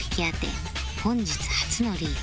本日初のリーチ